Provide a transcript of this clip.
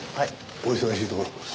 お忙しいところ。